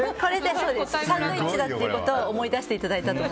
サンドイッチだということを思い出していただいたと。